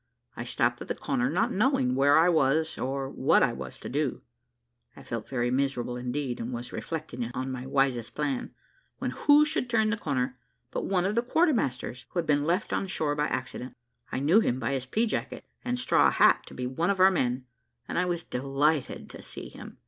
I stopped at the corner, not knowing where I was, or what I was to do. I felt very miserable indeed, and was reflecting on my wisest plan, when who should turn the corner, but one of the quarter masters, who had been left on shore by accident. I knew him by his pea jacket and straw hat to be one of our men, and I was delighted to see him.